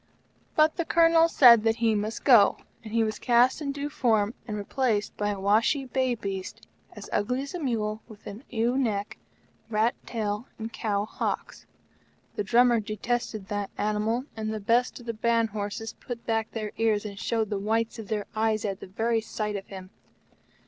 But the Colonel said that he must go, and he was cast in due form and replaced by a washy, bay beast as ugly as a mule, with a ewe neck, rat tail, and cow hocks. The Drummer detested that animal, and the best of the Band horses put back their ears and showed the whites of their eyes at the very sight of him.